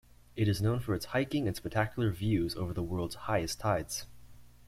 It is known for its hiking and spectacular views over the world's highest tides.